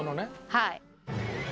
はい。